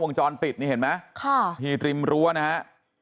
จรปิดนี่เห็นไหมค่ะที่ริมรั้วนะฮะ